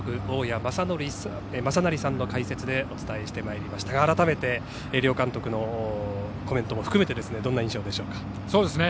大矢正成さんの解説でお伝えしてまいりましたが改めて両監督のコメントも含めてどんな印象でしょうか。